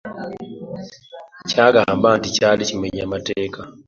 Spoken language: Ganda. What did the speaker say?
Ky'agamba nti kyali kimenya mateeka.